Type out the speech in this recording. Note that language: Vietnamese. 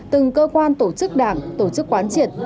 từng cơ quan tổ chức đảng tổ chức quán triệt